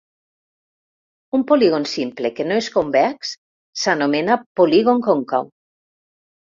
Un polígon simple que no és convex s'anomena polígon còncau.